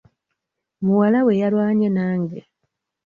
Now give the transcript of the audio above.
Muwala we yalwanye nange.